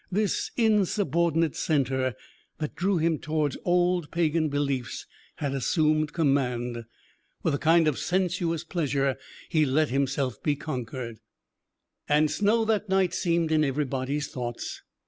This insubordinate centre that drew him towards old pagan beliefs had assumed command. With a kind of sensuous pleasure he let himself be conquered. And snow that night seemed in everybody's thoughts.